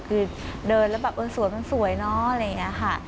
คือเดินแล้วแบบเออสวยมันสวยเนอะอะไรอย่างนี้ค่ะ